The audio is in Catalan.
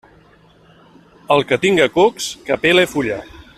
El que tinga cucs que pele fulla.